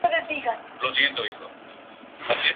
Deportistas de Pensilvania